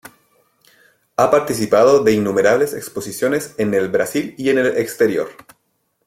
Ha participado de innumerables exposiciones en el Brasil y en el exterior.